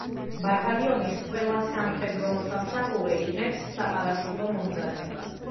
ბატალიონის ყველა სამხედრო მოსამსახურე იღებს საპარაშუტო მომზადებას.